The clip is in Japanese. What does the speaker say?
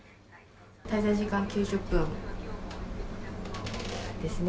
滞在時間９０分ですね。